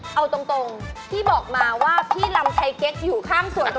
เอาตรงที่บอกมาว่าพี่ลำไยเก็ตอยู่ข้างส่วนตัว